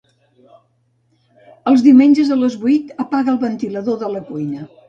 Els diumenges a les vuit apaga el ventilador de la cuina.